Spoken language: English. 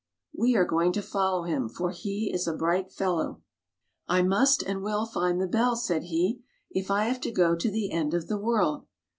We are going to follow him, for he is a bright fellow. " I must and will find the bell," said he, " if I have to go to the end of the world."